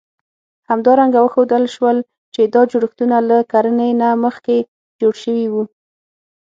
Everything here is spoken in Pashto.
همدارنګه وښودل شول، چې دا جوړښتونه له کرنې نه مخکې جوړ شوي وو.